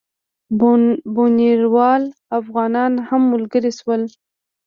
بُنیروال افغانان هم ملګري شول.